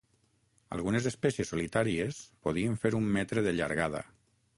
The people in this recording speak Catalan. Algunes espècies solitàries podien fer un metre de llargada.